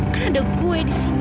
kan ada gue di sini